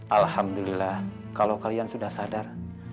alhamdulillah kalau kalian sudah sadar